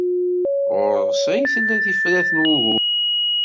Ɣur-s ay tella tifrat n wugur-a.